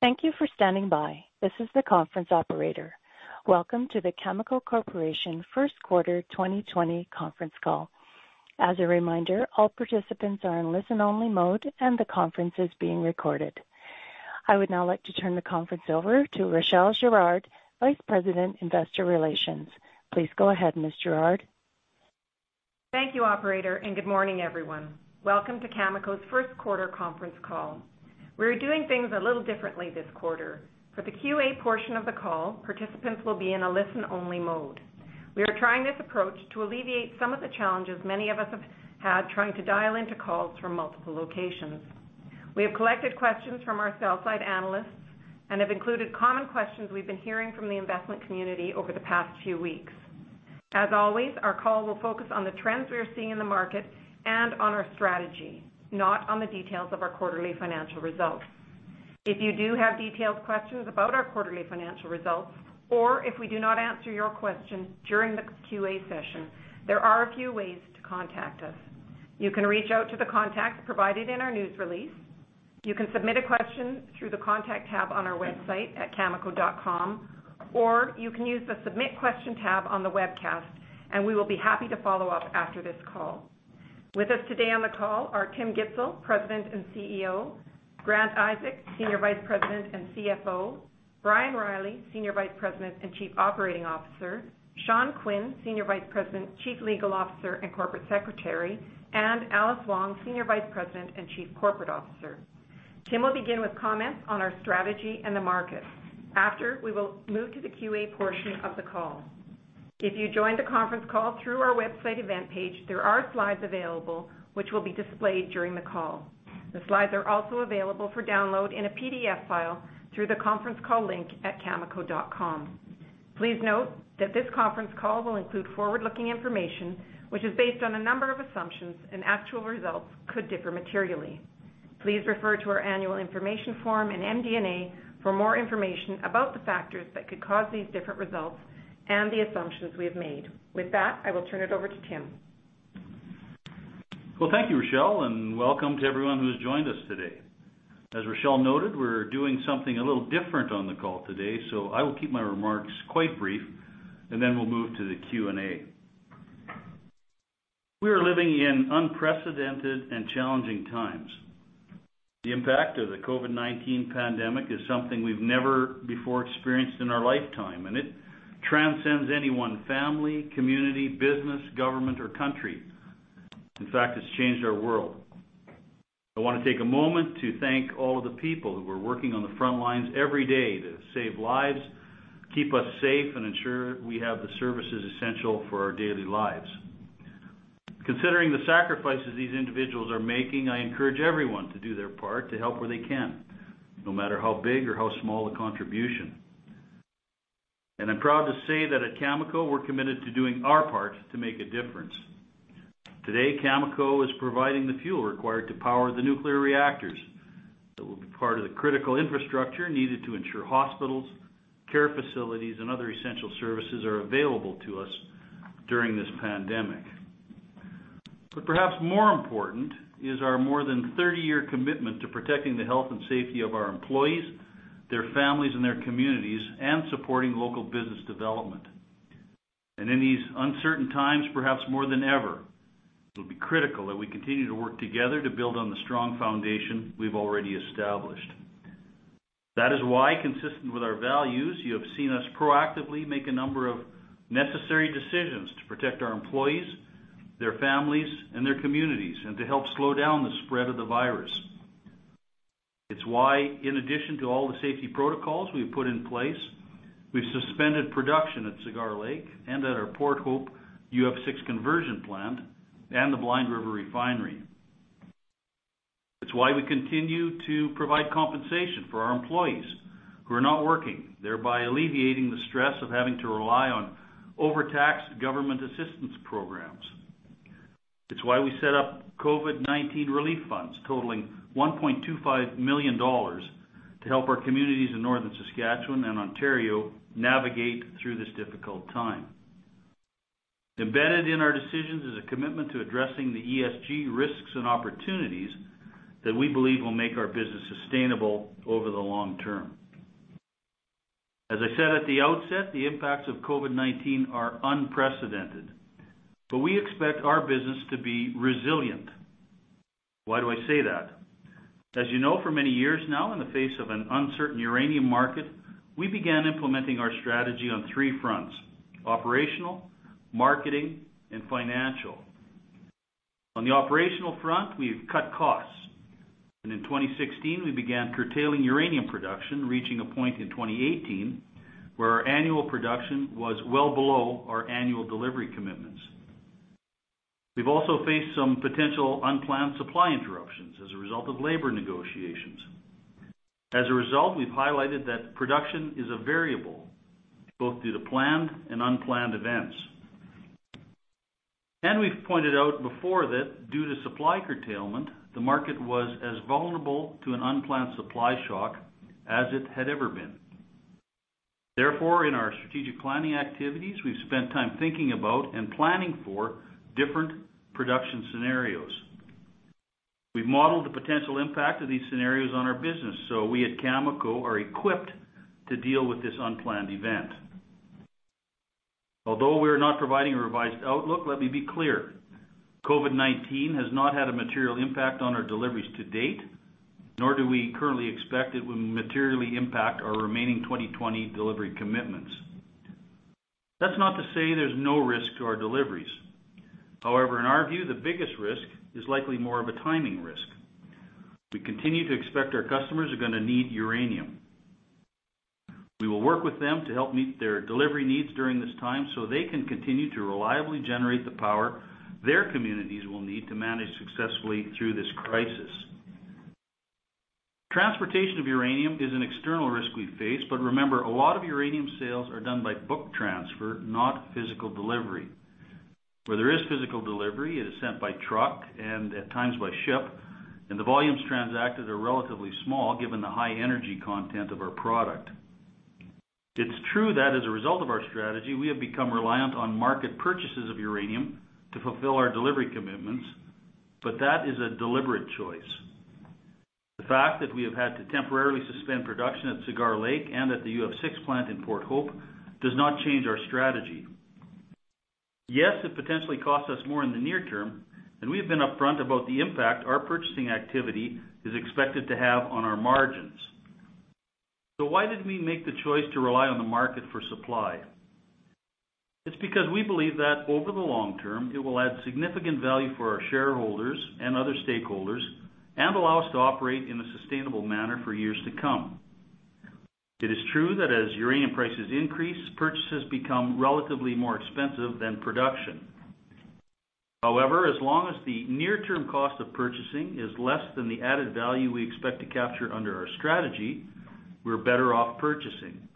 Thank you for standing by. This is the conference operator. Welcome to the Cameco Corporation First Quarter 2020 conference call. As a reminder, all participants are in listen only mode, and the conference is being recorded. I would now like to turn the conference over to Rachelle Girard, Vice President, Investor Relations. Please go ahead, Ms. Girard. Thank you, operator, and good morning everyone. Welcome to Cameco's first quarter conference call. We're doing things a little differently this quarter. For the Q&A portion of the call, participants will be in a listen only mode. We are trying this approach to alleviate some of the challenges many of us have had trying to dial into calls from multiple locations. We have collected questions from our sell side analysts and have included common questions we've been hearing from the investment community over the past few weeks. As always, our call will focus on the trends we are seeing in the market and on our strategy, not on the details of our quarterly financial results. If you do have detailed questions about our quarterly financial results, or if we do not answer your question during the QA session, there are a few ways to contact us. You can reach out to the contacts provided in our news release. You can submit a question through the contact tab on our website at cameco.com, or you can use the submit question tab on the webcast. We will be happy to follow up after this call. With us today on the call are Tim Gitzel, President and CEO, Grant Isaac, Senior Vice President and CFO, Brian Reilly, Senior Vice President and Chief Operating Officer, Sean Quinn, Senior Vice President, Chief Legal Officer and Corporate Secretary, and Alice Wong, Senior Vice President and Chief Corporate Officer. Tim will begin with comments on our strategy and the market. After, we will move to the Q&A portion of the call. If you joined the conference call through our website event page, there are slides available which will be displayed during the call. The slides are also available for download in a PDF file through the conference call link at cameco.com. Please note that this conference call will include forward-looking information, which is based on a number of assumptions, and actual results could differ materially. Please refer to our annual information form and MD&A for more information about the factors that could cause these different results and the assumptions we have made. With that, I will turn it over to Tim. Well, thank you, Rachelle, and welcome to everyone who has joined us today. As Rachelle noted, we're doing something a little different on the call today, so I will keep my remarks quite brief and then we'll move to the Q&A. We are living in unprecedented and challenging times. The impact of the COVID-19 pandemic is something we've never before experienced in our lifetime, and it transcends any one family, community, business, government or country. In fact, it's changed our world. I want to take a moment to thank all of the people who are working on the front lines every day to save lives, keep us safe, and ensure we have the services essential for our daily lives. Considering the sacrifices these individuals are making, I encourage everyone to do their part to help where they can, no matter how big or how small the contribution. I'm proud to say that at Cameco, we're committed to doing our part to make a difference. Today, Cameco is providing the fuel required to power the nuclear reactors that will be part of the critical infrastructure needed to ensure hospitals, care facilities, and other essential services are available to us during this pandemic. Perhaps more important is our more than 30 year commitment to protecting the health and safety of our employees, their families, and their communities, and supporting local business development. In these uncertain times, perhaps more than ever, it'll be critical that we continue to work together to build on the strong foundation we've already established. That is why, consistent with our values, you have seen us proactively make a number of necessary decisions to protect our employees, their families, and their communities, and to help slow down the spread of the virus. It's why, in addition to all the safety protocols we've put in place, we've suspended production at Cigar Lake and at our Port Hope UF6 conversion plant and the Blind River Refinery. It's why we continue to provide compensation for our employees who are not working, thereby alleviating the stress of having to rely on overtaxed government assistance programs. It's why we set up COVID-19 relief funds totaling 1.25 million dollars to help our communities in northern Saskatchewan and Ontario navigate through this difficult time. Embedded in our decisions is a commitment to addressing the ESG risks and opportunities that we believe will make our business sustainable over the long term. As I said at the outset, the impacts of COVID-19 are unprecedented, but we expect our business to be resilient. Why do I say that? As you know, for many years now, in the face of an uncertain uranium market, we began implementing our strategy on three fronts: operational, marketing, and financial. On the operational front, we've cut costs, and in 2016 we began curtailing uranium production, reaching a point in 2018 where our annual production was well below our annual delivery commitments. We've also faced some potential unplanned supply interruptions as a result of labor negotiations. As a result, we've highlighted that production is a variable, both due to planned and unplanned events. We've pointed out before that due to supply curtailment, the market was as vulnerable to an unplanned supply shock as it had ever been. Therefore, in our strategic planning activities, we've spent time thinking about and planning for different production scenarios. We've modeled the potential impact of these scenarios on our business, so we at Cameco are equipped to deal with this unplanned event. Although we are not providing a revised outlook, let me be clear, COVID-19 has not had a material impact on our deliveries to date, nor do we currently expect it will materially impact our remaining 2020 delivery commitments. That's not to say there's no risk to our deliveries. However, in our view, the biggest risk is likely more of a timing risk. We continue to expect our customers are going to need uranium. We will work with them to help meet their delivery needs during this time so they can continue to reliably generate the power their communities will need to manage successfully through this crisis. Transportation of uranium is an external risk we face, but remember, a lot of uranium sales are done by book transfer, not physical delivery. Where there is physical delivery, it is sent by truck and at times by ship, and the volumes transacted are relatively small given the high energy content of our product. It's true that as a result of our strategy, we have become reliant on market purchases of uranium to fulfill our delivery commitments, but that is a deliberate choice. The fact that we have had to temporarily suspend production at Cigar Lake and at the UF6 plant in Port Hope does not change our strategy. Yes, it potentially costs us more in the near term, and we have been upfront about the impact our purchasing activity is expected to have on our margins. Why did we make the choice to rely on the market for supply? It's because we believe that over the long term, it will add significant value for our shareholders and other stakeholders and allow us to operate in a sustainable manner for years to come. It is true that as uranium prices increase, purchases become relatively more expensive than production. However, as long as the near-term cost of purchasing is less than the added value we expect to capture under our strategy, we're better off purchasing.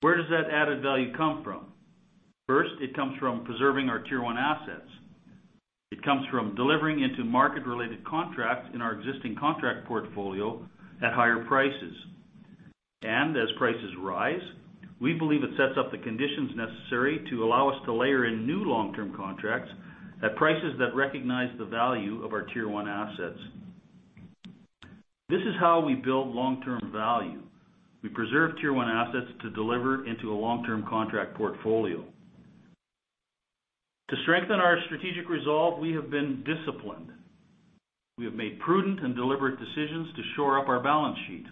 Where does that added value come from? First, it comes from preserving our Tier One assets. It comes from delivering into market-related contracts in our existing contract portfolio at higher prices. As prices rise, we believe it sets up the conditions necessary to allow us to layer in new long-term contracts at prices that recognize the value of our Tier 1 assets. This is how we build long-term value. We preserve Tier 1 assets to deliver into a long-term contract portfolio. To strengthen our strategic resolve, we have been disciplined. We have made prudent and deliberate decisions to shore up our balance sheet.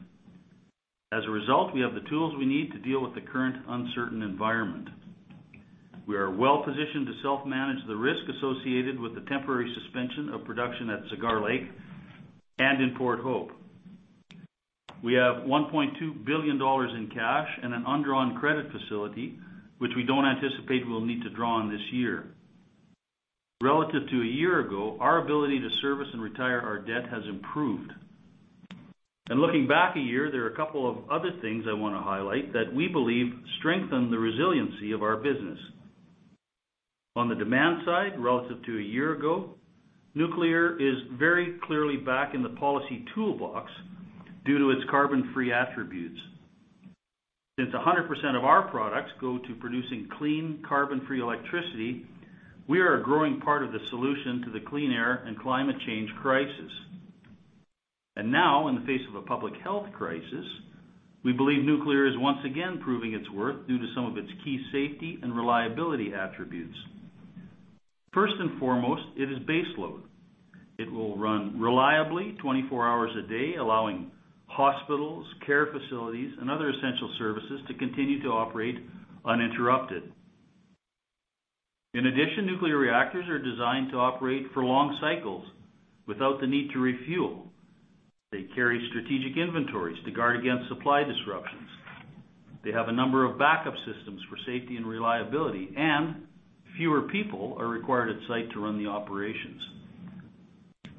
As a result, we have the tools we need to deal with the current uncertain environment. We are well positioned to self-manage the risk associated with the temporary suspension of production at Cigar Lake and in Port Hope. We have 1.2 billion dollars in cash and an undrawn credit facility, which we don't anticipate we'll need to draw on this year. Relative to a year ago, our ability to service and retire our debt has improved. Looking back a year, there are a couple of other things I want to highlight that we believe strengthen the resiliency of our business. On the demand side, relative to a year ago, nuclear is very clearly back in the policy toolbox due to its carbon-free attributes. Since 100% of our products go to producing clean, carbon-free electricity, we are a growing part of the solution to the clean air and climate change crisis. Now, in the face of a public health crisis, we believe nuclear is once again proving its worth due to some of its key safety and reliability attributes. First and foremost, it is baseload. It will run reliably 24 hours a day, allowing hospitals, care facilities, and other essential services to continue to operate uninterrupted. In addition, nuclear reactors are designed to operate for long cycles without the need to refuel. They carry strategic inventories to guard against supply disruptions. They have a number of backup systems for safety and reliability, and fewer people are required at site to run the operations.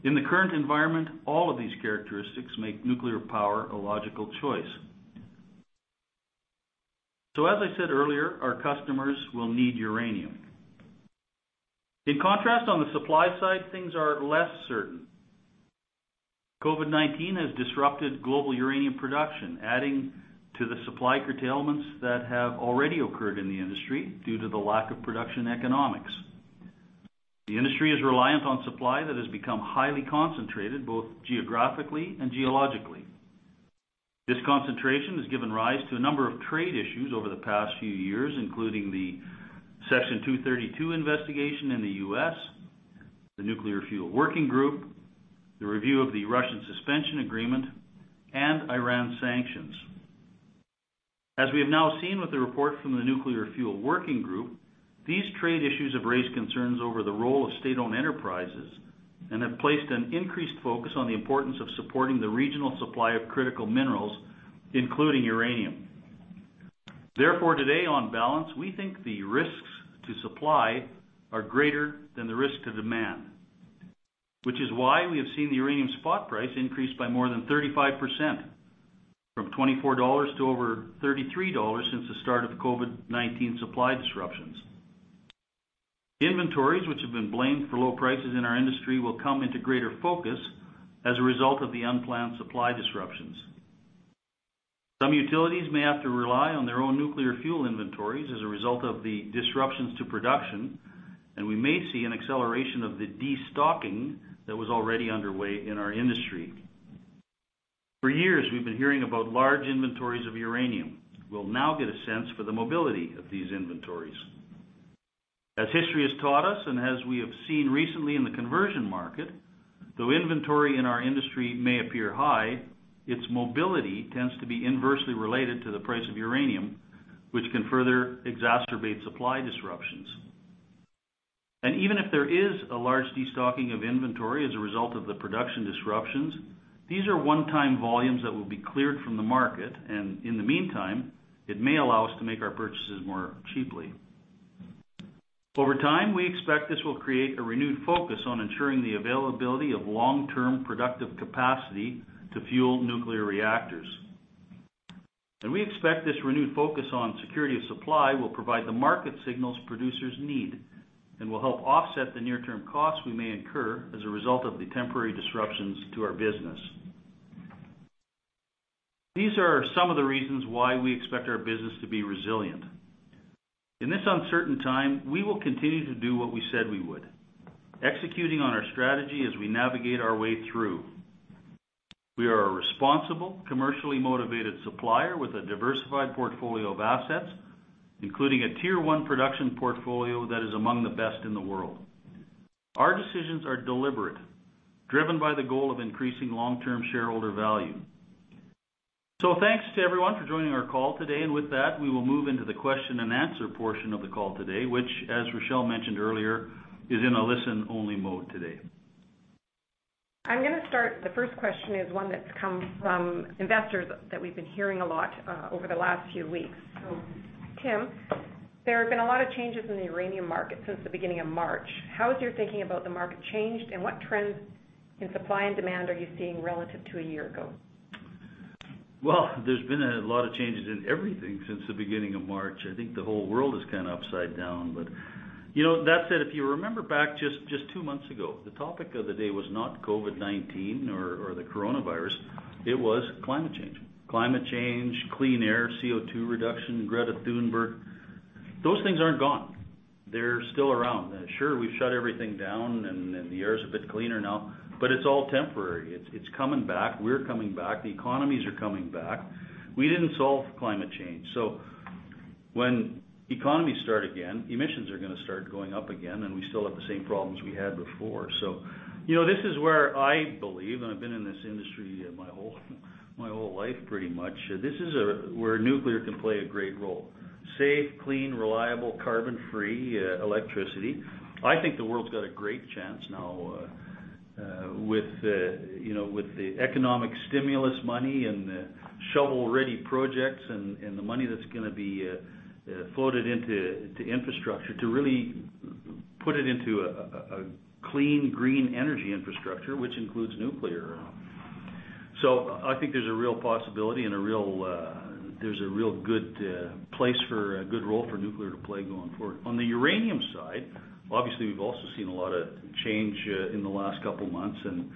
In the current environment, all of these characteristics make nuclear power a logical choice. As I said earlier, our customers will need uranium. In contrast, on the supply side, things are less certain. COVID-19 has disrupted global uranium production, adding to the supply curtailments that have already occurred in the industry due to the lack of production economics. The industry is reliant on supply that has become highly concentrated, both geographically and geologically. This concentration has given rise to a number of trade issues over the past few years, including the Section 232 investigation in the U.S., the Nuclear Fuel Working Group, the review of the Russian suspension agreement, and Iran sanctions. As we have now seen with the report from the Nuclear Fuel Working Group, these trade issues have raised concerns over the role of state-owned enterprises and have placed an increased focus on the importance of supporting the regional supply of critical minerals, including uranium. Therefore, today, on balance, we think the risks to supply are greater than the risk to demand, which is why we have seen the uranium spot price increase by more than 35%, from $24 to over $33 since the start of the COVID-19 supply disruptions. Inventories which have been blamed for low prices in our industry will come into greater focus as a result of the unplanned supply disruptions. Some utilities may have to rely on their own nuclear fuel inventories as a result of the disruptions to production, and we may see an acceleration of the destocking that was already underway in our industry. For years, we've been hearing about large inventories of uranium. We'll now get a sense for the mobility of these inventories. As history has taught us, and as we have seen recently in the conversion market, though inventory in our industry may appear high, its mobility tends to be inversely related to the price of uranium, which can further exacerbate supply disruptions. Even if there is a large destocking of inventory as a result of the production disruptions, these are one-time volumes that will be cleared from the market, and in the meantime, it may allow us to make our purchases more cheaply. Over time, we expect this will create a renewed focus on ensuring the availability of long-term productive capacity to fuel nuclear reactors. We expect this renewed focus on security of supply will provide the market signals producers need and will help offset the near-term costs we may incur as a result of the temporary disruptions to our business. These are some of the reasons why we expect our business to be resilient. In this uncertain time, we will continue to do what we said we would, executing on our strategy as we navigate our way through. We are a responsible, commercially motivated supplier with a diversified portfolio of assets, including a Tier 1 production portfolio that is among the best in the world. Our decisions are deliberate, driven by the goal of increasing long-term shareholder value. Thanks to everyone for joining our call today. With that, we will move into the question and answer portion of the call today, which, as Rachelle mentioned earlier, is in a listen-only mode today. I'm going to start. The first question is one that's come from investors that we've been hearing a lot over the last few weeks. Tim, there have been a lot of changes in the uranium market since the beginning of March. How has your thinking about the market changed, and what trends in supply and demand are you seeing relative to a year ago? Well, there's been a lot of changes in everything since the beginning of March. I think the whole world is kind of upside down. That said, if you remember back just two months ago, the topic of the day was not COVID-19 or the coronavirus, it was climate change. Climate change, clean air, CO2 reduction, Greta Thunberg. Those things aren't gone. They're still around. Sure, we've shut everything down and the air's a bit cleaner now, but it's all temporary. It's coming back. We're coming back. The economies are coming back. We didn't solve climate change, when economies start again, emissions are going to start going up again, and we still have the same problems we had before. This is where I believe, and I've been in this industry my whole life pretty much, this is where nuclear can play a great role. Safe, clean, reliable, carbon-free electricity. I think the world's got a great chance now with the economic stimulus money and the shovel-ready projects and the money that's going to be floated into infrastructure to really put it into a clean, green energy infrastructure, which includes nuclear. I think there's a real possibility and there's a real good place for a good role for nuclear to play going forward. On the uranium side, obviously, we've also seen a lot of change in the last couple of months, and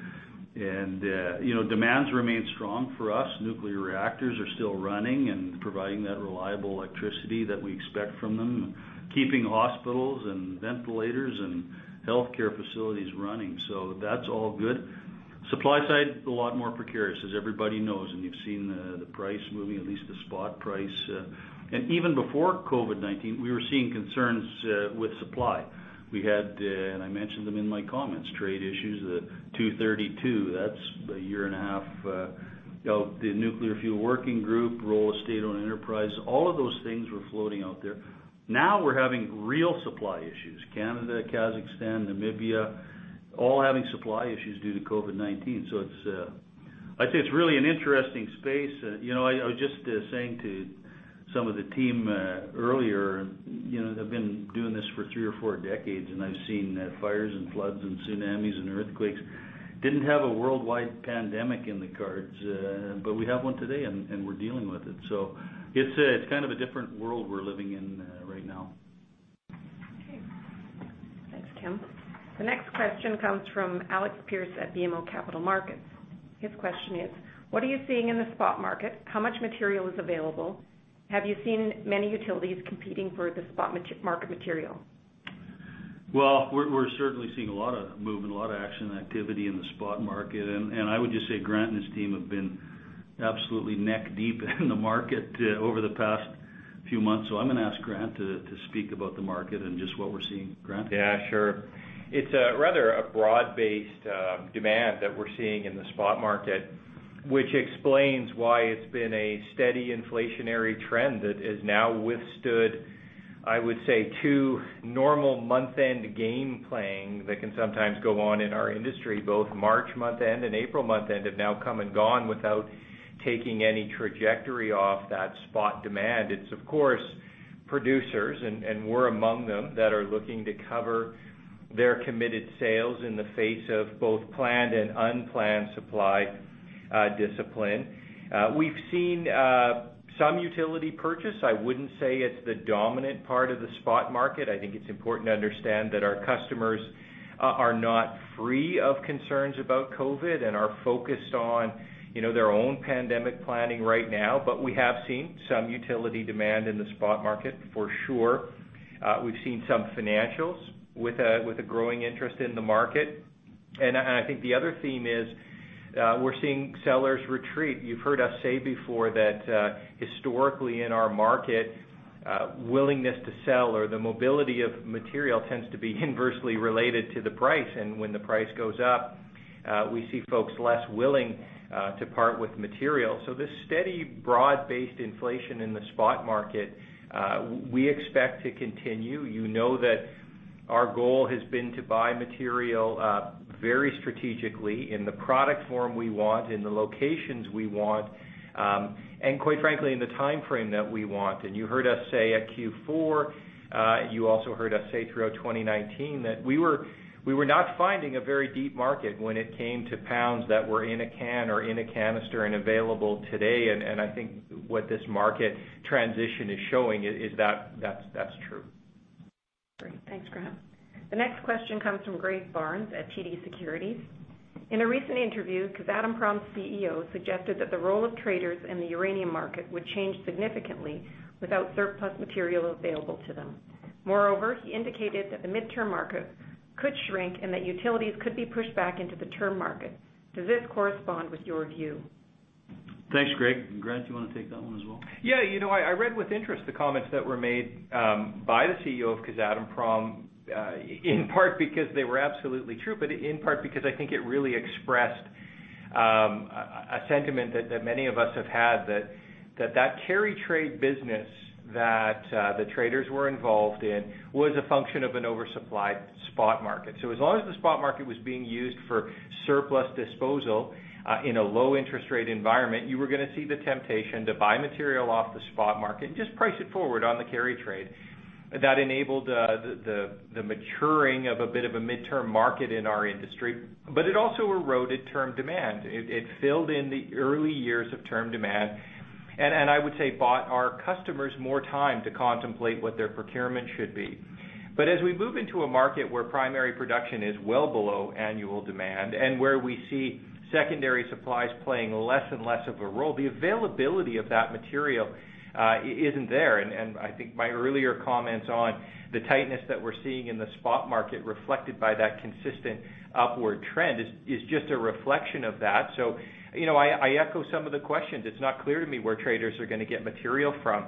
demands remain strong for us. Nuclear reactors are still running and providing that reliable electricity that we expect from them, keeping hospitals and ventilators and healthcare facilities running. That's all good. Supply side is a lot more precarious, as everybody knows, and you've seen the price moving, at least the spot price. Even before COVID-19, we were seeing concerns with supply. We had, I mentioned them in my comments, trade issues, the 232, that's a year and a half of the Nuclear Fuel Working Group, role of state-owned enterprise, all of those things were floating out there. We're having real supply issues. Canada, Kazakhstan, Namibia, all having supply issues due to COVID-19. I'd say it's really an interesting space. I was just saying to some of the team earlier, I've been doing this for three or four decades, and I've seen fires and floods and tsunamis and earthquakes. Didn't have a worldwide pandemic in the cards, but we have one today, and we're dealing with it. It's kind of a different world we're living in right now. Okay. Thanks, Tim. The next question comes from Alex Pearce at BMO Capital Markets. His question is, what are you seeing in the spot market? How much material is available? Have you seen many utilities competing for the spot market material? Well, we're certainly seeing a lot of movement, a lot of action, activity in the spot market, and I would just say Grant and his team have been absolutely neck-deep in the market over the past few months. I'm going to ask Grant to speak about the market and just what we're seeing. Grant? Yeah, sure. It's rather a broad-based demand that we're seeing in the spot market, which explains why it's been a steady inflationary trend that has now withstood, I would say, two normal month-end game playing that can sometimes go on in our industry. Both March month-end and April month-end have now come and gone without taking any trajectory off that spot demand. It's of course, producers, and we're among them, that are looking to cover their committed sales in the face of both planned and unplanned supply discipline. We've seen some utility purchase. I wouldn't say it's the dominant part of the spot market. I think it's important to understand that our customers are not free of concerns about COVID and are focused on their own pandemic planning right now. We have seen some utility demand in the spot market for sure. We've seen some financials with a growing interest in the market. I think the other theme is we're seeing sellers retreat. You've heard us say before that historically in our market, willingness to sell or the mobility of material tends to be inversely related to the price. When the price goes up, we see folks less willing to part with material. This steady broad-based inflation in the spot market, we expect to continue. You know that our goal has been to buy material very strategically in the product form we want, in the locations we want, and quite frankly, in the timeframe that we want. You heard us say at Q4, you also heard us say throughout 2019 that we were not finding a very deep market when it came to pounds that were in a can or in a canister and available today. I think what this market transition is showing is that's true. Great. Thanks, Grant. The next question comes from Greg Barnes at TD Securities. In a recent interview, Kazatomprom's CEO suggested that the role of traders in the uranium market would change significantly without surplus material available to them. Moreover, he indicated that the midterm market could shrink and that utilities could be pushed back into the term market. Does this correspond with your view? Thanks, Greg. Grant, do you want to take that one as well? Yeah. I read with interest the comments that were made by the CEO of Kazatomprom, in part because they were absolutely true, but in part because I think it really expressed a sentiment that many of us have had that that carry trade business that the traders were involved in was a function of an oversupplied spot market. As long as the spot market was being used for surplus disposal in a low-interest rate environment, you were going to see the temptation to buy material off the spot market and just price it forward on the carry trade. That enabled the maturing of a bit of a midterm market in our industry. It also eroded term demand. It filled in the early years of term demand, and I would say bought our customers more time to contemplate what their procurement should be. As we move into a market where primary production is well below annual demand and where we see secondary supplies playing less and less of a role, the availability of that material isn't there. I think my earlier comments on the tightness that we're seeing in the spot market reflected by that consistent upward trend is just a reflection of that. I echo some of the questions. It's not clear to me where traders are going to get material from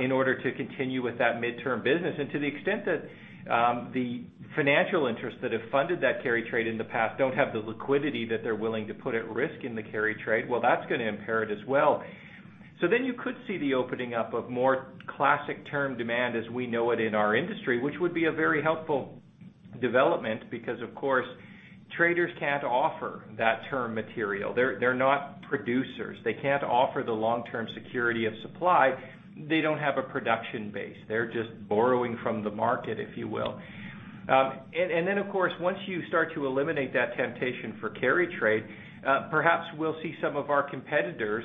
in order to continue with that midterm business. To the extent that the financial interests that have funded that carry trade in the past don't have the liquidity that they're willing to put at risk in the carry trade, well, that's going to impair it as well. You could see the opening up of more classic term demand as we know it in our industry, which would be a very helpful development because, of course, traders can't offer that term material. They're not producers. They can't offer the long-term security of supply. They don't have a production base. They're just borrowing from the market, if you will. Of course, once you start to eliminate that temptation for carry trade, perhaps we'll see some of our competitors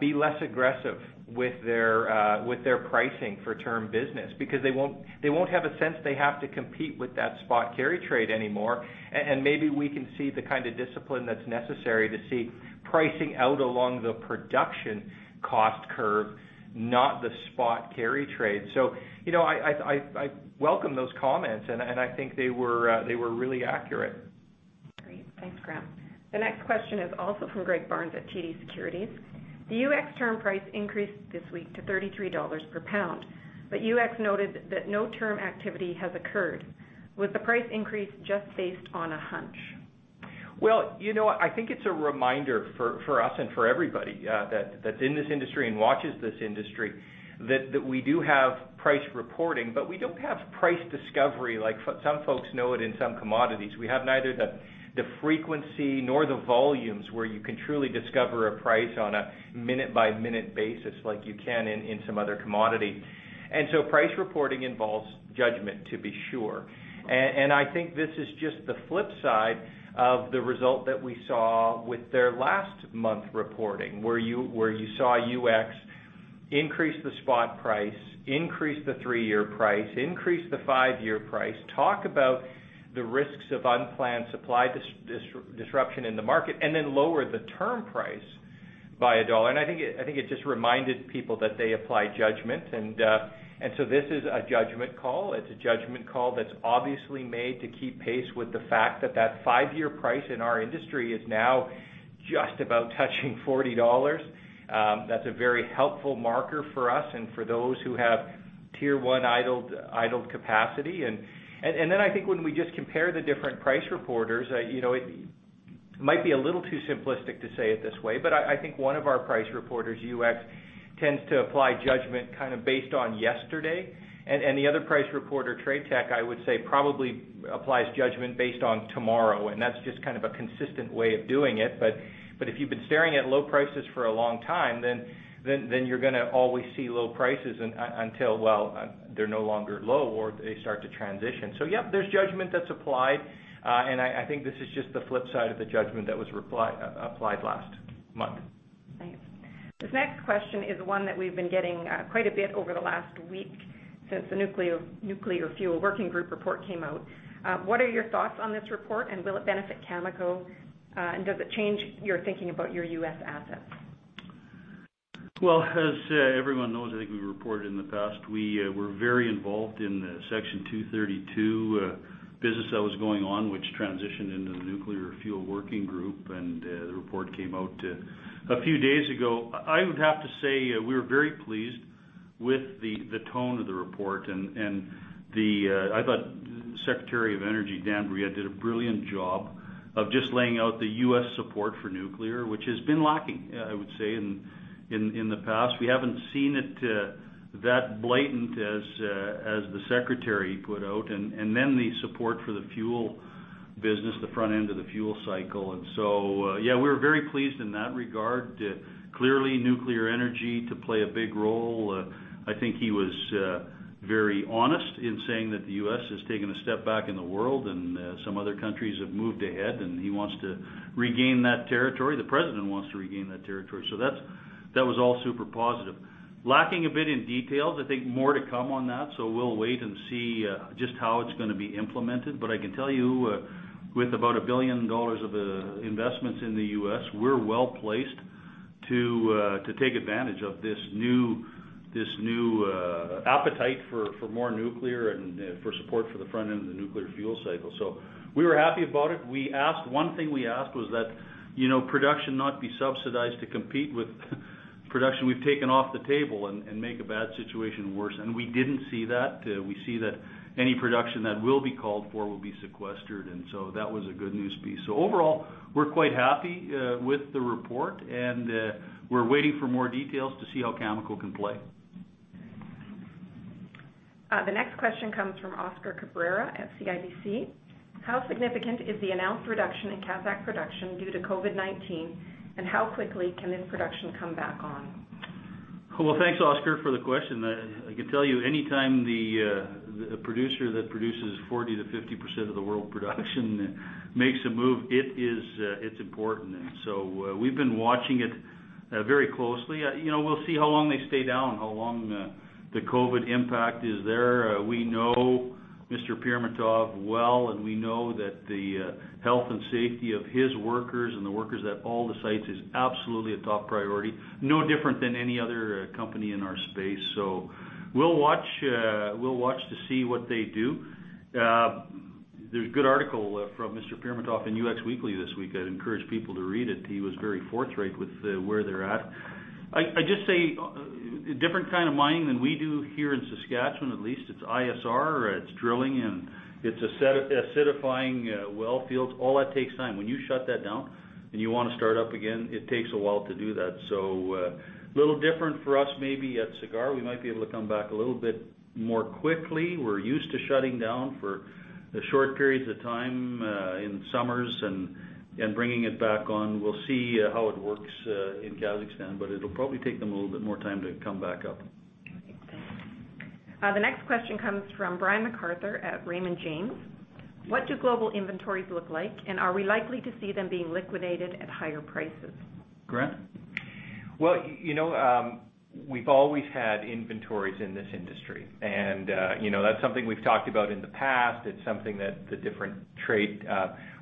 be less aggressive with their pricing for term business because they won't have a sense they have to compete with that spot carry trade anymore. Maybe we can see the kind of discipline that's necessary to see pricing out along the production cost curve, not the spot carry trade. I welcome those comments, and I think they were really accurate. Great. Thanks, Grant. The next question is also from Greg Barnes at TD Securities. The UxC term price increased this week to $33 per pound, but UxC noted that no term activity has occurred. Was the price increase just based on a hunch? Well, I think it's a reminder for us and for everybody that's in this industry and watches this industry that we do have price reporting, but we don't have price discovery like some folks know it in some commodities. We have neither the frequency nor the volumes where you can truly discover a price on a one minute-by-minute basis like you can in some other commodity. Price reporting involves judgment, to be sure. I think this is just the flip side of the result that we saw with their last month reporting, where you saw UxC increase the spot price, increase the three-year price, increase the three-year price, talk about the risks of unplanned supply disruption in the market, and then lower the term price by $1. I think it just reminded people that they apply judgment. This is a judgment call. It's a judgment call that's obviously made to keep pace with the fact that that five-year price in our industry is now just about touching 40 dollars. That's a very helpful marker for us and for those who have Tier 1 idled capacity. I think when we just compare the different price reporters, it might be a little too simplistic to say it this way, but I think one of our price reporters, UxC, tends to apply judgment based on yesterday. The other price reporter, TradeTech, I would say probably applies judgment based on tomorrow, and that's just a consistent way of doing it. If you've been staring at low prices for a long time, you're going to always see low prices until they're no longer low, they start to transition. Yeah, there's judgment that's applied, and I think this is just the flip side of the judgment that was applied last month. Thanks. This next question is one that we've been getting quite a bit over the last week since the Nuclear Fuel Working Group report came out. What are your thoughts on this report, and will it benefit Cameco? Does it change your thinking about your U.S. assets? Well, as everyone knows, I think we reported in the past, we were very involved in the Section 232 business that was going on, which transitioned into the Nuclear Fuel Working Group, and the report came out a few days ago. I would have to say, we were very pleased with the tone of the report, and I thought the Secretary of Energy, Dan Brouillette, did a brilliant job of just laying out the U.S. support for nuclear, which has been lacking, I would say, in the past. We haven't seen it that blatant as the Secretary put out, and then the support for the fuel business, the front end of the fuel cycle. Yeah, we were very pleased in that regard. Clearly, nuclear energy to play a big role. I think he was very honest in saying that the U.S. has taken a step back in the world, and some other countries have moved ahead, and he wants to regain that territory. The president wants to regain that territory. That was all super positive. Lacking a bit in details, I think more to come on that, we'll wait and see just how it's going to be implemented. I can tell you, with about 1 billion dollars of investments in the U.S., we're well-placed to take advantage of this new appetite for more nuclear and for support for the front end of the nuclear fuel cycle. We were happy about it. One thing we asked was that production not be subsidized to compete with production we've taken off the table and make a bad situation worse. We didn't see that. We see that any production that will be called for will be sequestered. That was a good news piece. Overall, we're quite happy with the report, and we're waiting for more details to see how Cameco can play. The next question comes from Oscar Cabrera at CIBC. How significant is the announced reduction in Kazakh production due to COVID-19, and how quickly can this production come back on? Well, thanks, Oscar, for the question. I can tell you anytime the producer that produces 40%-50% of the world production makes a move, it's important. We've been watching it very closely. We'll see how long they stay down, how long the COVID impact is there. We know Mr. Pirmatov well, and we know that the health and safety of his workers and the workers at all the sites is absolutely a top priority, no different than any other company in our space. We'll watch to see what they do. There's a good article from Mr. Pirmatov in Ux Weekly this week. I'd encourage people to read it. He was very forthright with where they're at. I just say, a different kind of mining than we do here in Saskatchewan, at least. It's ISR, it's drilling, and it's acidifying well fields. All that takes time. When you shut that down and you want to start up again, it takes a while to do that. A little different for us, maybe at Cigar. We might be able to come back a little bit more quickly. We're used to shutting down for short periods of time in summers and bringing it back on. We'll see how it works in Kazakhstan, it'll probably take them a little bit more time to come back up. Okay. The next question comes from Brian MacArthur at Raymond James. What do global inventories look like, and are we likely to see them being liquidated at higher prices? Grant? Well, we've always had inventories in this industry, and that is something we've talked about in the past. It is something that the different trade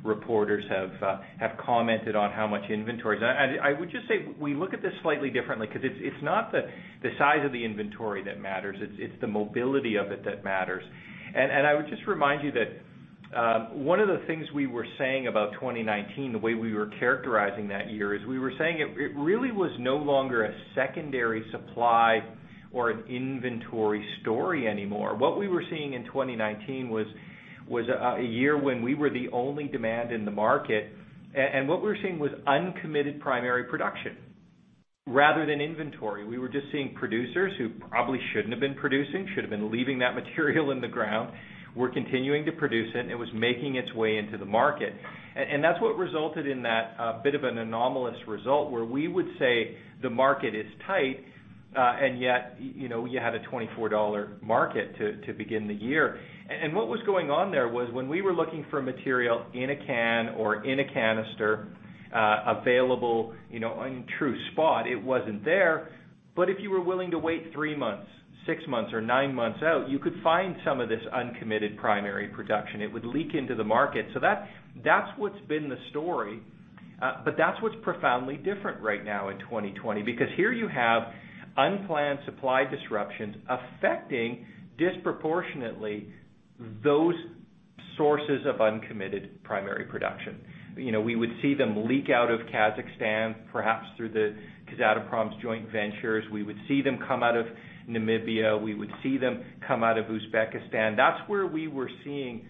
reporters have commented on, how much inventories. I would just say, we look at this slightly differently because it is not the size of the inventory that matters, it is the mobility of it that matters. I would just remind you that one of the things we were saying about 2019, the way we were characterizing that year, is we were saying it really was no longer a secondary supply or an inventory story anymore. What we were seeing in 2019 was a year when we were the only demand in the market, and what we were seeing was uncommitted primary production rather than inventory. We were just seeing producers who probably shouldn't have been producing, should have been leaving that material in the ground, were continuing to produce it, and it was making its way into the market. That's what resulted in that bit of an anomalous result where we would say the market is tight, and yet you had a $24 market to begin the year. What was going on there was when we were looking for material in a can or in a canister available in true spot, it wasn't there. If you were willing to wait three months, six months, or nine months out, you could find some of this uncommitted primary production. It would leak into the market. That's what's been the story. That's what's profoundly different right now in 2020, because here you have unplanned supply disruptions affecting disproportionately those sources of uncommitted primary production. We would see them leak out of Kazakhstan, perhaps through Kazatomprom's joint ventures. We would see them come out of Namibia. We would see them come out of Uzbekistan. That's where we were seeing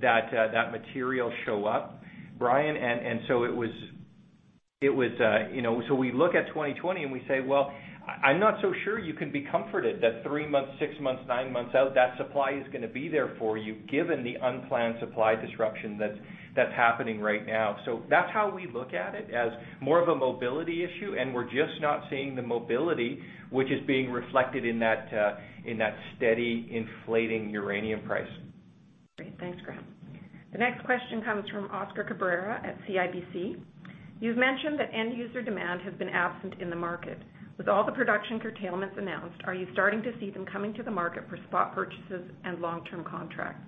that material show up, Brian. We look at 2020 and we say, well, I'm not so sure you can be comforted that three months, six months, nine months out, that supply is going to be there for you given the unplanned supply disruption that's happening right now. That's how we look at it, as more of a mobility issue, and we're just not seeing the mobility which is being reflected in that steady inflating uranium price. Great. Thanks, Grant. The next question comes from Oscar Cabrera at CIBC. You've mentioned that end-user demand has been absent in the market. With all the production curtailments announced, are you starting to see them coming to the market for spot purchases and long-term contracts?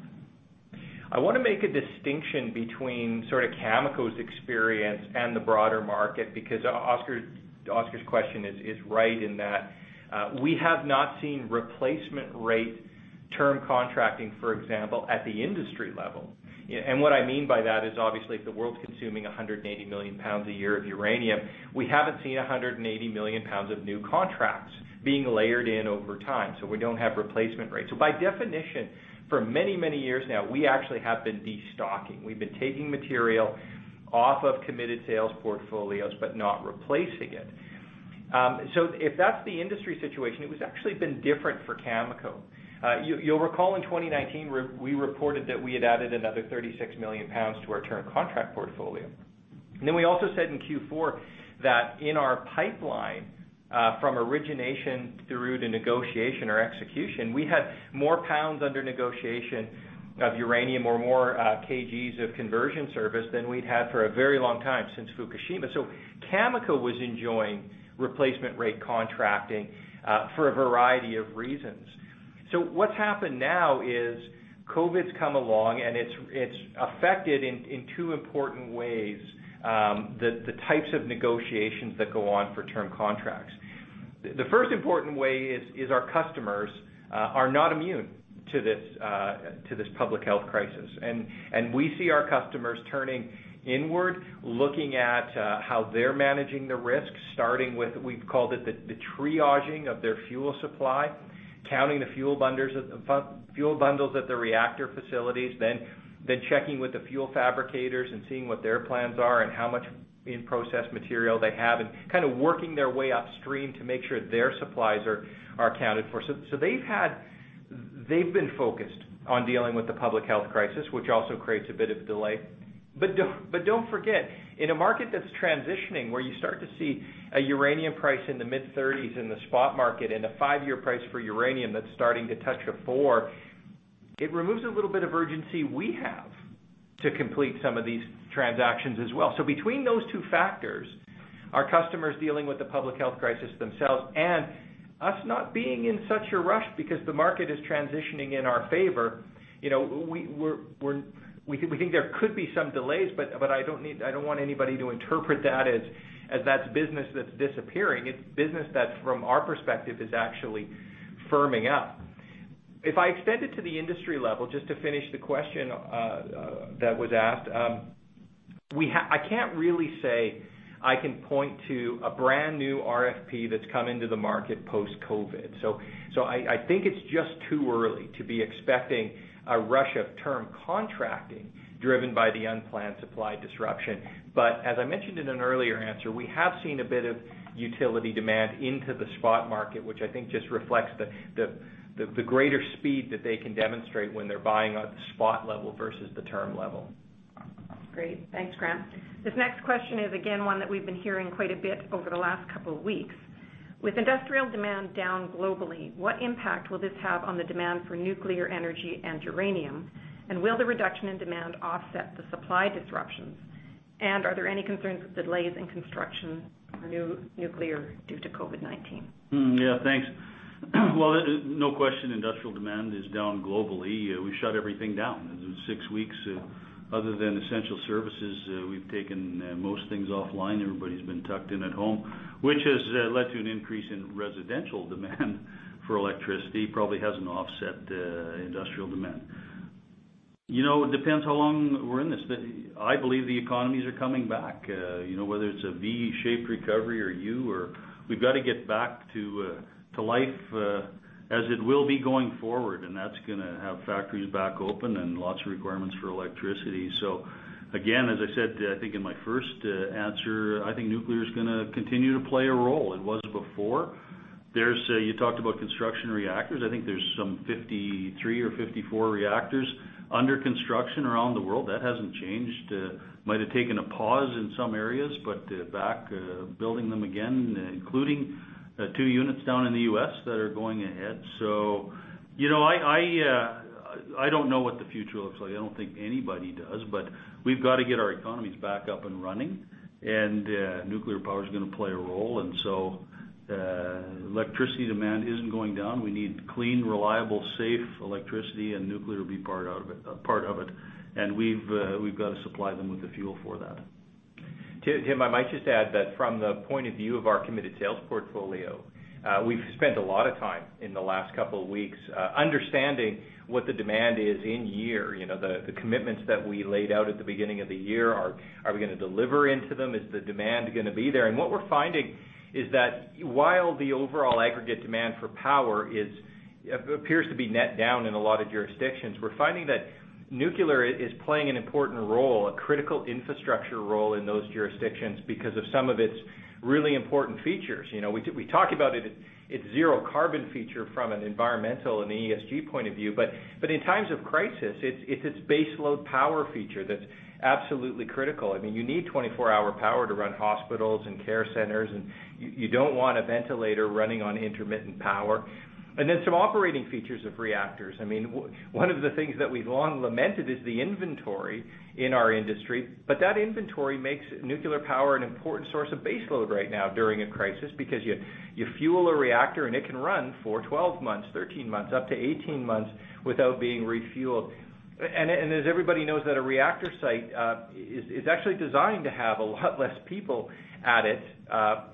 I want to make a distinction between sort of Cameco's experience and the broader market. Oscar's question is right in that we have not seen replacement rate term contracting, for example, at the industry level. What I mean by that is obviously if the world's consuming 180 million pounds a year of uranium, we haven't seen 180 million pounds of new contracts being layered in over time, so we don't have replacement rates. By definition, for many years now, we actually have been destocking. We've been taking material off of committed sales portfolios but not replacing it. If that's the industry situation, it was actually been different for Cameco. You'll recall in 2019, we reported that we had added another 36 million pounds to our term contract portfolio. We also said in Q4 that in our pipeline from origination through to negotiation or execution, we had more pounds under negotiation of uranium or more kgs of conversion service than we'd had for a very long time since Fukushima. Cameco was enjoying replacement rate contracting for a variety of reasons. What's happened now is COVID's come along, and it's affected in two important ways the types of negotiations that go on for term contracts. The first important way is our customers are not immune to this public health crisis. We see our customers turning inward, looking at how they're managing the risk, starting with, we've called it the triaging of their fuel supply, counting the fuel bundles at the reactor facilities, then checking with the fuel fabricators and seeing what their plans are and how much in-process material they have, and kind of working their way upstream to make sure their suppliers are accounted for. They've been focused on dealing with the public health crisis, which also creates a bit of delay. Don't forget, in a market that's transitioning, where you start to see a uranium price in the mid $30s in the spot market and a five-year price for uranium that's starting to touch a four, it removes a little bit of urgency we have to complete some of these transactions as well. Between those two factors, our customers dealing with the public health crisis themselves and us not being in such a rush because the market is transitioning in our favor, we think there could be some delays, but I don't want anybody to interpret that as that's business that's disappearing. It's business that, from our perspective, is actually firming up. If I extend it to the industry level, just to finish the question that was asked, I can't really say I can point to a brand-new RFP that's come into the market post-COVID. I think it's just too early to be expecting a rush of term contracting driven by the unplanned supply disruption. As I mentioned in an earlier answer, we have seen a bit of utility demand into the spot market, which I think just reflects the greater speed that they can demonstrate when they're buying at the spot level versus the term level. Great. Thanks, Grant. This next question is again, one that we've been hearing quite a bit over the last couple of weeks. With industrial demand down globally, what impact will this have on the demand for nuclear energy and uranium? Will the reduction in demand offset the supply disruptions? Are there any concerns with delays in construction for new nuclear due to COVID-19? Yeah. Thanks. Well, no question, industrial demand is down globally. We shut everything down. Six weeks other than essential services, we've taken most things offline. Everybody's been tucked in at home, which has led to an increase in residential demand for electricity, probably hasn't offset industrial demand. It depends how long we're in this. I believe the economies are coming back, whether it's a V-shaped recovery or U or we've got to get back to life as it will be going forward, and that's going to have factories back open and lots of requirements for electricity. Again, as I said, I think in my first answer, I think nuclear is going to continue to play a role. It was before. You talked about construction reactors. I think there's some 53 or 54 reactors under construction around the world. That hasn't changed. Might have taken a pause in some areas, but back building them again, including two units down in the U.S. that are going ahead. I don't know what the future looks like. I don't think anybody does, but we've got to get our economies back up and running, and nuclear power is going to play a role. Electricity demand isn't going down. We need clean, reliable, safe electricity, and nuclear will be part of it. We've got to supply them with the fuel for that. Tim, I might just add that from the point of view of our committed sales portfolio, we've spent a lot of time in the last couple of weeks understanding what the demand is in year. The commitments that we laid out at the beginning of the year are we going to deliver into them? Is the demand going to be there? What we're finding is that while the overall aggregate demand for power appears to be net down in a lot of jurisdictions, we're finding that nuclear is playing an important role, a critical infrastructure role in those jurisdictions because of some of its really important features. We talk about its zero carbon feature from an environmental and ESG point of view, but in times of crisis, it's its base load power feature that's absolutely critical. I mean, you need 24-hour power to run hospitals and care centers. You don't want a ventilator running on intermittent power. Some operating features of reactors. I mean, one of the things that we've long lamented is the inventory in our industry. That inventory makes nuclear power an important source of base load right now during a crisis because you fuel a reactor, and it can run for 12 months, 13 months, up to 18 months without being refueled. As everybody knows that a reactor site is actually designed to have a lot less people at it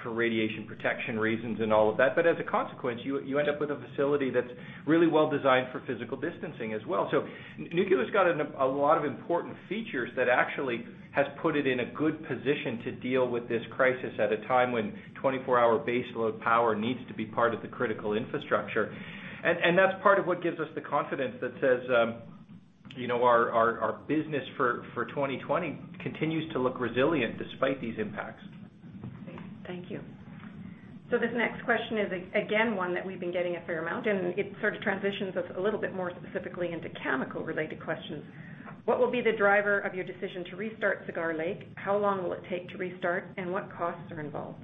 for radiation protection reasons and all of that. As a consequence, you end up with a facility that's really well-designed for physical distancing as well. Nuclear's got a lot of important features that actually has put it in a good position to deal with this crisis at a time when 24-hour base load power needs to be part of the critical infrastructure. That's part of what gives us the confidence that says. Our business for 2020 continues to look resilient despite these impacts. Great. Thank you. This next question is, again, one that we've been getting a fair amount, and it sort of transitions us a little bit more specifically into Cameco-related questions. What will be the driver of your decision to restart Cigar Lake? How long will it take to restart, and what costs are involved?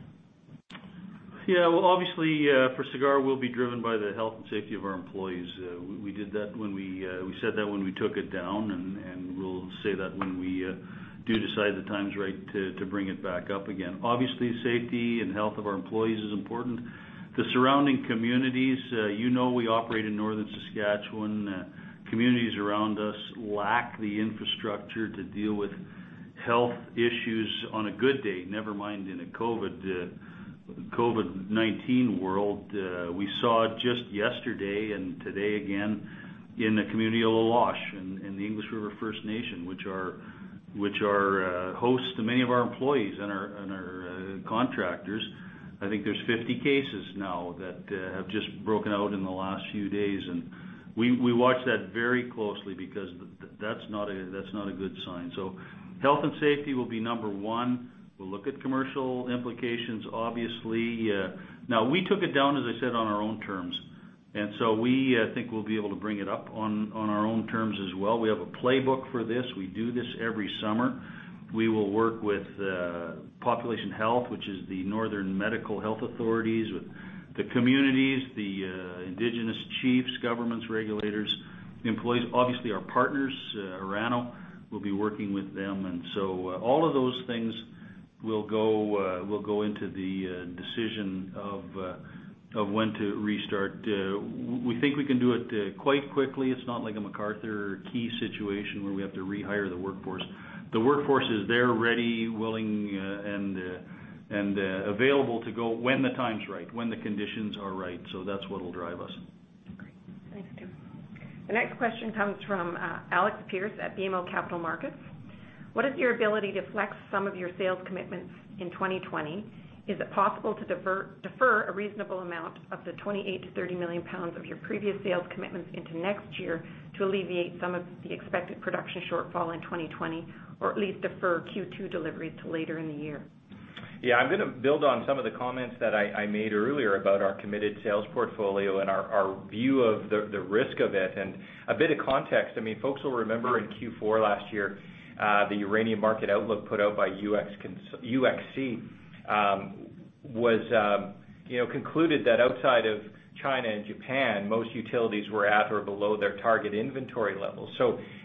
Well, obviously, for Cigar, we'll be driven by the health and safety of our employees. We said that when we took it down, and we'll say that when we do decide the time is right to bring it back up again. Obviously, safety and health of our employees is important. The surrounding communities, you know we operate in Northern Saskatchewan. Communities around us lack the infrastructure to deal with health issues on a good day, never mind in a COVID-19 world. We saw just yesterday and today again in the community of La Loche in the English River First Nation, which are host to many of our employees and our contractors. I think there's 50 cases now that have just broken out in the last few days, and we watch that very closely because that's not a good sign. Health and safety will be number one. We'll look at commercial implications, obviously. We took it down, as I said, on our own terms, and so we think we'll be able to bring it up on our own terms as well. We have a playbook for this. We do this every summer. We will work with Population Health, which is the northern medical health authorities, with the communities, the Indigenous chiefs, governments, regulators, employees. Our partners, Orano, we'll be working with them. All of those things will go into the decision of when to restart. We think we can do it quite quickly. It's not like a McArthur River situation where we have to rehire the workforce. The workforce is there, ready, willing, and available to go when the time's right, when the conditions are right. That's what will drive us. Great. Thanks, Tim. The next question comes from Alex Pearce at BMO Capital Markets. What is your ability to flex some of your sales commitments in 2020? Is it possible to defer a reasonable amount of the 28 million-30 million pounds of your previous sales commitments into next year to alleviate some of the expected production shortfall in 2020, or at least defer Q2 delivery to later in the year? Yeah, I'm going to build on some of the comments that I made earlier about our committed sales portfolio and our view of the risk of it. A bit of context, folks will remember in Q4 last year, the uranium market outlook put out by UxC concluded that outside of China and Japan, most utilities were at or below their target inventory levels.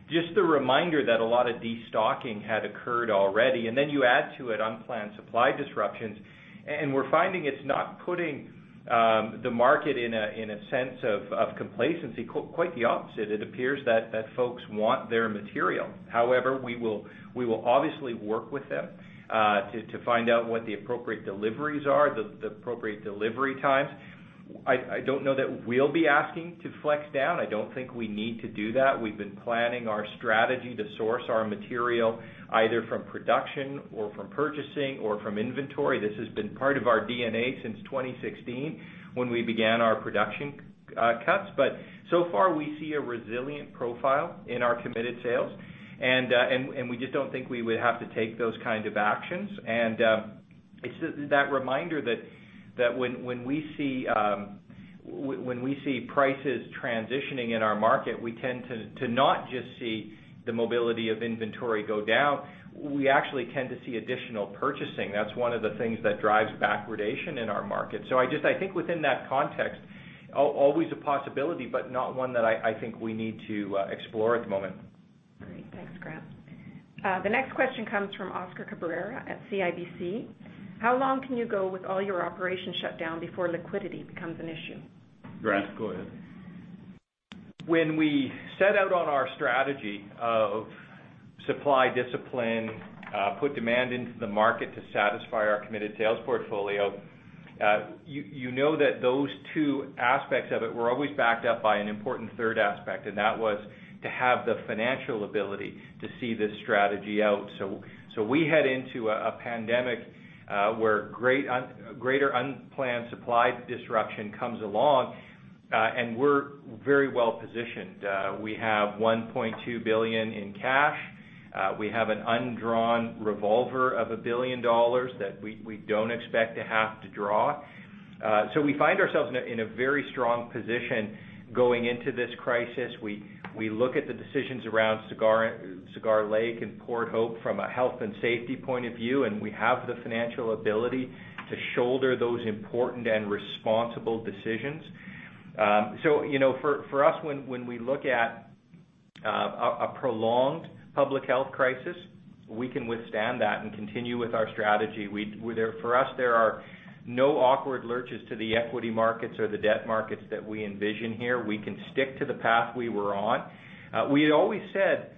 Just the reminder that a lot of destocking had occurred already, then you add to it unplanned supply disruptions. We're finding it's not putting the market in a sense of complacency. Quite the opposite, it appears that folks want their material. However, we will obviously work with them to find out what the appropriate deliveries are, the appropriate delivery times. I don't know that we'll be asking to flex down. I don't think we need to do that. We've been planning our strategy to source our material either from production or from purchasing or from inventory. This has been part of our DNA since 2016 when we began our production cuts. So far, we see a resilient profile in our committed sales, and we just don't think we would have to take those kind of actions. It's that reminder that when we see prices transitioning in our market, we tend to not just see the mobility of inventory go down. We actually tend to see additional purchasing. That's one of the things that drives backwardation in our market. I think within that context, always a possibility, but not one that I think we need to explore at the moment. Great. Thanks, Grant. The next question comes from Oscar Cabrera at CIBC. How long can you go with all your operations shut down before liquidity becomes an issue? Grant, go ahead. When we set out on our strategy of supply discipline, put demand into the market to satisfy our committed sales portfolio, you know that those two aspects of it were always backed up by an important third aspect, and that was to have the financial ability to see this strategy out. We head into a pandemic where greater unplanned supply disruption comes along, and we're very well positioned. We have 1.2 billion in cash. We have an undrawn revolver of 1 billion dollars that we don't expect to have to draw. We find ourselves in a very strong position going into this crisis. We look at the decisions around Cigar Lake and Port Hope from a health and safety point of view, and we have the financial ability to shoulder those important and responsible decisions. For us, when we look at a prolonged public health crisis, we can withstand that and continue with our strategy. For us, there are no awkward lurches to the equity markets or the debt markets that we envision here. We can stick to the path we were on. We had always said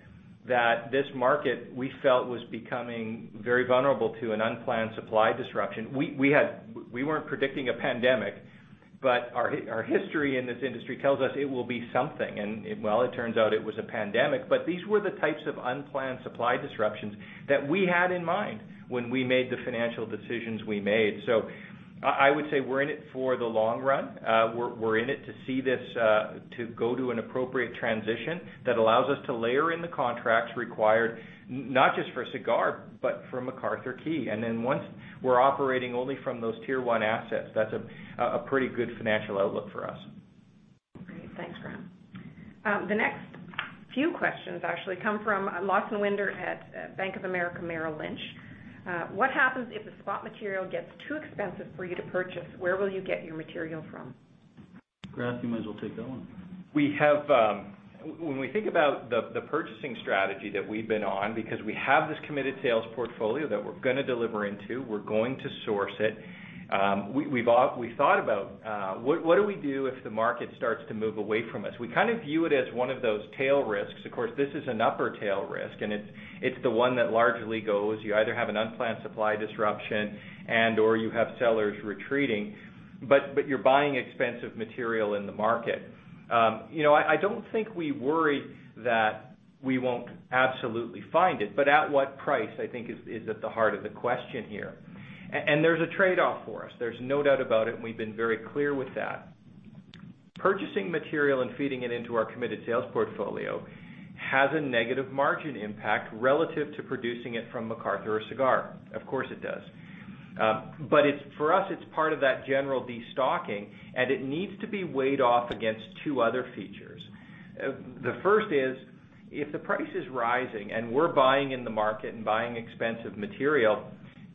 that this market, we felt, was becoming very vulnerable to an unplanned supply disruption. We weren't predicting a pandemic. Our history in this industry tells us it will be something. Well, it turns out it was a pandemic, but these were the types of unplanned supply disruptions that we had in mind when we made the financial decisions we made. I would say we're in it for the long run. We're in it to go to an appropriate transition that allows us to layer in the contracts required, not just for Cigar, but for McArthur River. Once we're operating only from those Tier 1 assets, that's a pretty good financial outlook for us. Great. Thanks, Grant. The next few questions actually come from Lawson Winder at Bank of America Merrill Lynch. What happens if the spot material gets too expensive for you to purchase? Where will you get your material from? Grant, you might as well take that one. When we think about the purchasing strategy that we've been on, because we have this committed sales portfolio that we're going to deliver into, we're going to source it. We thought about what do we do if the market starts to move away from us? We view it as one of those tail risks. Of course, this is an upper tail risk, and it's the one that largely goes, you either have an unplanned supply disruption and/or you have sellers retreating, but you're buying expensive material in the market. I don't think we worry that we won't absolutely find it, but at what price, I think is at the heart of the question here. There's a trade-off for us. There's no doubt about it, and we've been very clear with that. Purchasing material and feeding it into our committed sales portfolio has a negative margin impact relative to producing it from McArthur or Cigar. Of course, it does. For us, it's part of that general de-stocking, and it needs to be weighed off against two other features. The first is, if the price is rising and we're buying in the market and buying expensive material,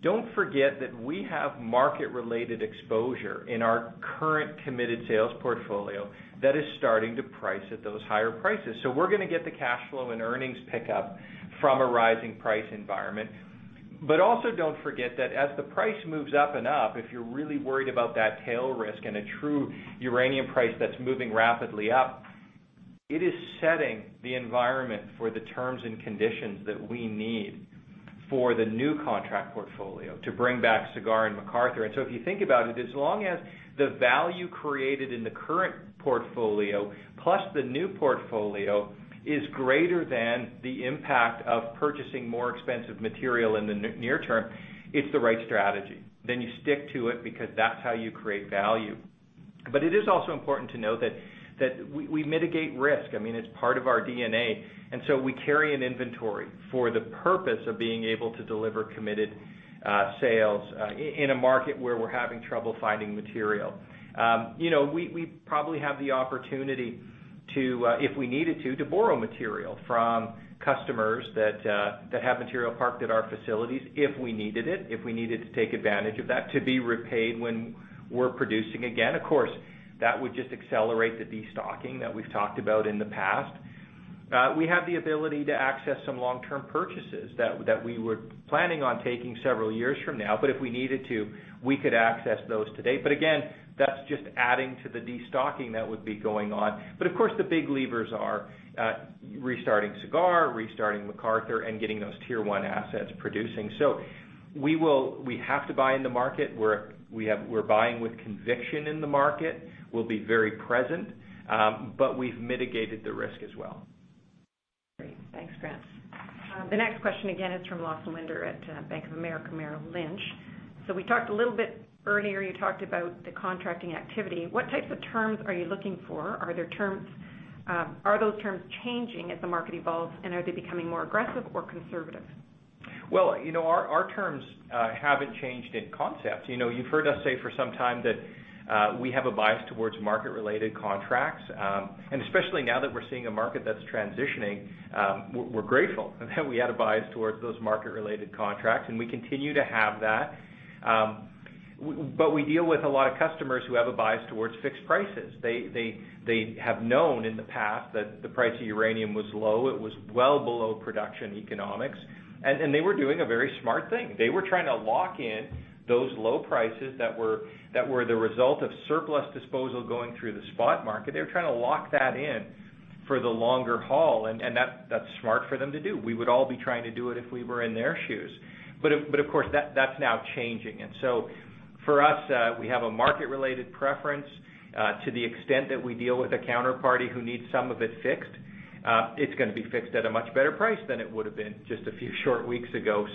don't forget that we have market-related exposure in our current committed sales portfolio that is starting to price at those higher prices. We're going to get the cash flow and earnings pickup from a rising price environment. Also don't forget that as the price moves up and up, if you're really worried about that tail risk and a true uranium price that's moving rapidly up, it is setting the environment for the terms and conditions that we need for the new contract portfolio to bring back Cigar and McArthur. If you think about it, as long as the value created in the current portfolio plus the new portfolio is greater than the impact of purchasing more expensive material in the near term, it's the right strategy. You stick to it because that's how you create value. It is also important to note that we mitigate risk. It's part of our DNA. We carry an inventory for the purpose of being able to deliver committed sales in a market where we're having trouble finding material. We probably have the opportunity to, if we needed to, borrow material from customers that have material parked at our facilities if we needed it, if we needed to take advantage of that to be repaid when we're producing again. That would just accelerate the de-stocking that we've talked about in the past. We have the ability to access some long-term purchases that we were planning on taking several years from now, but if we needed to, we could access those today. That's just adding to the de-stocking that would be going on. The big levers are restarting Cigar, restarting McArthur, and getting those Tier 1 assets producing. We have to buy in the market. We're buying with conviction in the market. We'll be very present. We've mitigated the risk as well. Great. Thanks, Grant. The next question again is from Lawson Winder at Bank of America Merrill Lynch. We talked a little bit earlier, you talked about the contracting activity. What types of terms are you looking for? Are those terms changing as the market evolves, and are they becoming more aggressive or conservative? Well, our terms haven't changed in concept. You've heard us say for some time that we have a bias towards market-related contracts. Especially now that we're seeing a market that's transitioning, we're grateful that we had a bias towards those market-related contracts, and we continue to have that. We deal with a lot of customers who have a bias towards fixed prices. They have known in the past that the price of uranium was low. It was well below production economics, and they were doing a very smart thing. They were trying to lock in those low prices that were the result of surplus disposal going through the spot market. They were trying to lock that in for the longer haul, and that's smart for them to do. We would all be trying to do it if we were in their shoes. Of course, that's now changing. For us, we have a market-related preference. To the extent that we deal with a counterparty who needs some of it fixed, it's going to be fixed at a much better price than it would have been just a few short weeks ago.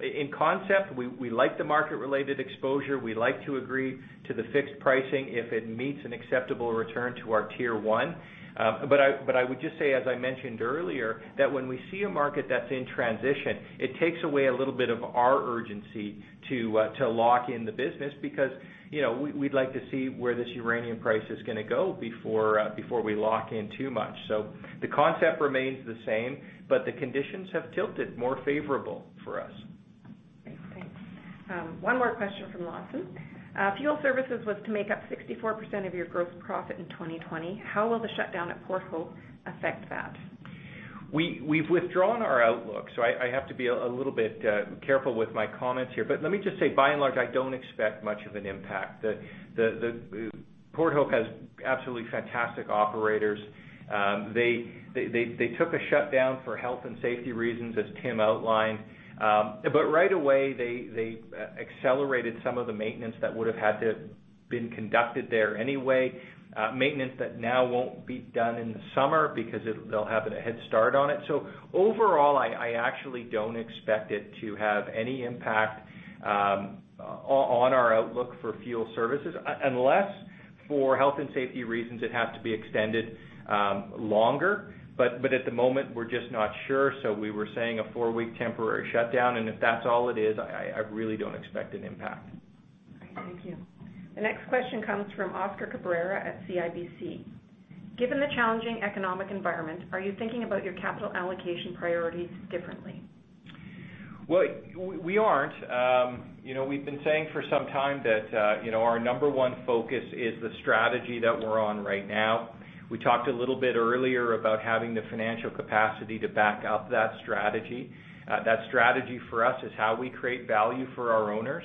In concept, we like the market-related exposure. We like to agree to the fixed pricing if it meets an acceptable return to our tier 1. I would just say, as I mentioned earlier, that when we see a market that's in transition, it takes away a little bit of our urgency to lock in the business because we'd like to see where this uranium price is going to go before we lock in too much. The concept remains the same, but the conditions have tilted more favorable for us. Great. Thanks. One more question from Lawson. Fuel Services was to make up 64% of your gross profit in 2020. How will the shutdown at Port Hope affect that? We've withdrawn our outlook, so I have to be a little bit careful with my comments here. Let me just say, by and large, I don't expect much of an impact. Port Hope has absolutely fantastic operators. They took a shutdown for health and safety reasons, as Tim outlined. Right away, they accelerated some of the maintenance that would have had to been conducted there anyway. Maintenance that now won't be done in the summer because they'll have a headstart on it. Overall, I actually don't expect it to have any impact on our outlook for Fuel Services, unless for health and safety reasons, it has to be extended longer. At the moment, we're just not sure, so we were saying a four-week temporary shutdown, and if that's all it is, I really don't expect an impact. Okay, thank you. The next question comes from Oscar Cabrera at CIBC. Given the challenging economic environment, are you thinking about your capital allocation priorities differently? Well, we aren't. We've been saying for some time that our number 1 focus is the strategy that we're on right now. We talked a little bit earlier about having the financial capacity to back up that strategy. That strategy for us is how we create value for our owners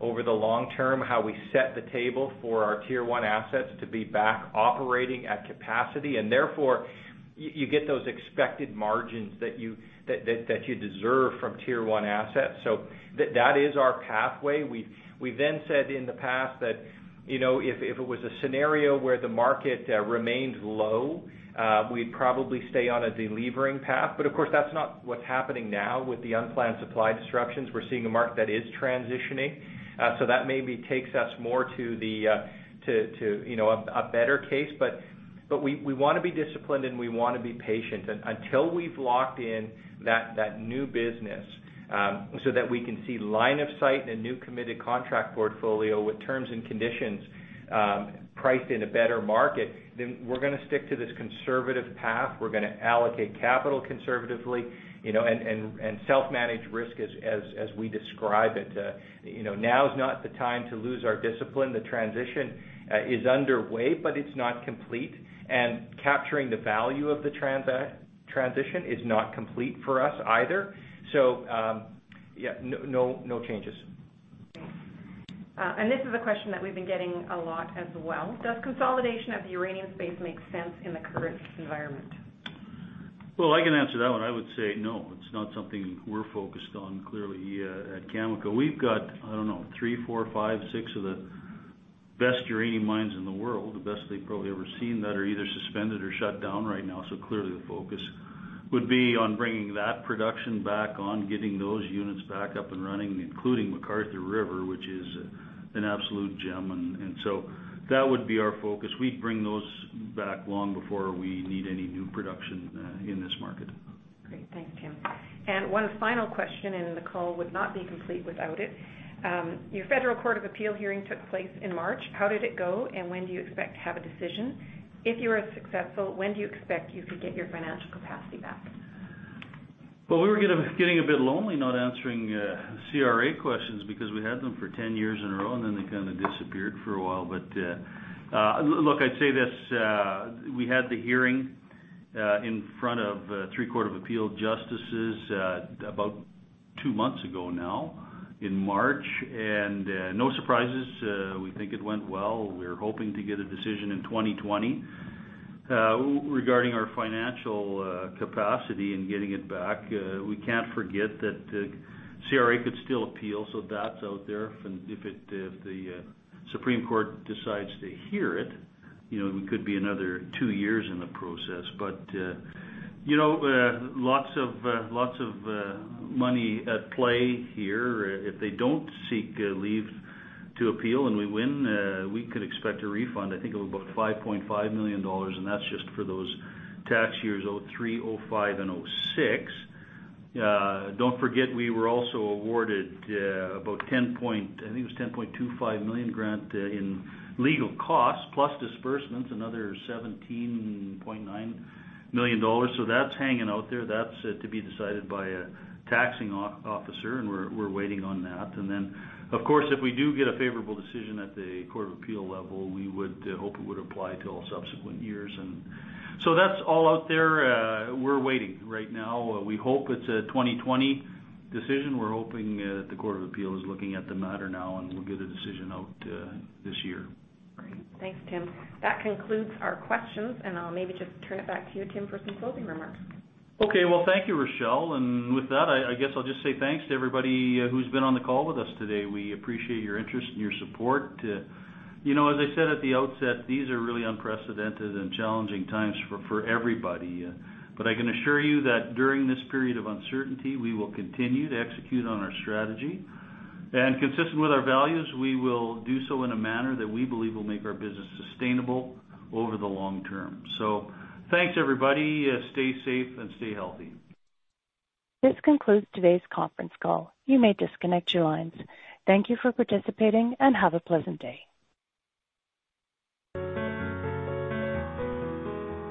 over the long term, how we set the table for our tier 1 assets to be back operating at capacity, and therefore, you get those expected margins that you deserve from tier 1 assets. That is our pathway. We've said in the past that if it was a scenario where the market remained low, we'd probably stay on a delevering path. Of course, that's not what's happening now with the unplanned supply disruptions. We're seeing a market that is transitioning. That maybe takes us more to a better case. We want to be disciplined, and we want to be patient. Until we've locked in that new business so that we can see line of sight and a new committed contract portfolio with terms and conditions priced in a better market, we're going to stick to this conservative path. We're going to allocate capital conservatively and self-manage risk as we describe it. Now is not the time to lose our discipline. The transition is underway, but it's not complete, and capturing the value of the transition is not complete for us either. No changes. Thanks. This is a question that we've been getting a lot as well. Does consolidation of the uranium space make sense in the current environment? Well, I can answer that one. I would say no. It's not something we're focused on, clearly, at Cameco. We've got, I don't know, three, four, five, six of the best uranium mines in the world, the best they've probably ever seen, that are either suspended or shut down right now. Clearly the focus would be on bringing that production back on, getting those units back up and running, including McArthur River, which is an absolute gem. That would be our focus. We'd bring those back long before we need any new production in this market. Great. Thanks, Tim. One final question, and the call would not be complete without it. Your Federal Court of Appeal hearing took place in March. How did it go, and when do you expect to have a decision? If you are successful, when do you expect you could get your financial capacity back? Well, we were getting a bit lonely not answering CRA questions because we had them for 10 years in a row, then they kind of disappeared for a while. Look, I'd say this, we had the hearing in front of three Court of Appeal justices about two months ago now in March, no surprises. We think it went well. We're hoping to get a decision in 2020 regarding our financial capacity and getting it back. We can't forget that CRA could still appeal, that's out there. If the Supreme Court decides to hear it could be another two years in the process. Lots of money at play here. If they don't seek leave to appeal and we win, we could expect a refund, I think, of about 5.5 million dollars, that's just for those tax years, 2003, 2005, and 2006. Don't forget, we were also awarded about, I think it was 10.25 million grant in legal costs plus disbursements, another 17.9 million dollars. That's hanging out there. That's to be decided by a taxing officer, and we're waiting on that. Then, of course, if we do get a favorable decision at the Court of Appeal level, we would hope it would apply to all subsequent years. So that's all out there. We're waiting right now. We hope it's a 2020 decision. We're hoping that the Court of Appeal is looking at the matter now, and we'll get a decision out this year. Great. Thanks, Tim. That concludes our questions, and I'll maybe just turn it back to you, Tim, for some closing remarks. Okay. Well, thank you, Rachelle. I guess I'll just say thanks to everybody who's been on the call with us today. We appreciate your interest and your support. As I said at the outset, these are really unprecedented and challenging times for everybody. I can assure you that during this period of uncertainty, we will continue to execute on our strategy. Consistent with our values, we will do so in a manner that we believe will make our business sustainable over the long term. Thanks, everybody. Stay safe and stay healthy. This concludes today's conference call. You may disconnect your lines. Thank you for participating, and have a pleasant day.